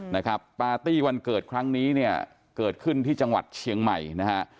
นะครับปาร์ตี้วันเกิดครั้งนี้เนี่ยเกิดขึ้นที่จังหวัดเชียงใหม่นะฮะ